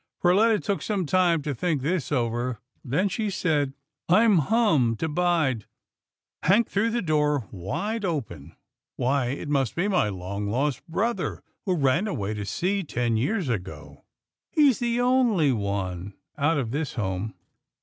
Perletta took some time to think this over, then she said, " I'm hum to bide." Hank threw the door wide open, " Why, it must be my long lost brother who ran away to sea ten 208 ^TILDA JANE'S ORPHANS years ago. He's the only one out of this home.